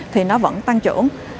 thì nó vẫn tăng trưởng